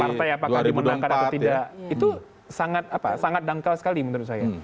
partai apakah dimenangkan atau tidak itu sangat dangkal sekali menurut saya